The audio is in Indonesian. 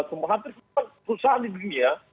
sempat sempat susah di dunia